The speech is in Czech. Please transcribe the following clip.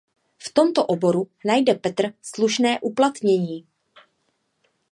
V tomto oboru najde Petr slušné uplatnění.